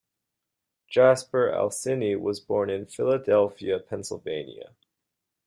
Jasper "Al" Cini was born in Philadelphia, Pennsylvania.